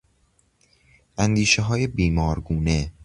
اندیشههای بیمارگونه